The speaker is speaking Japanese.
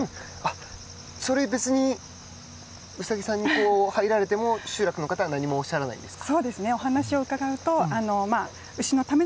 それは別にウサギさんに入られても集落の方は何もおっしゃらないんですか？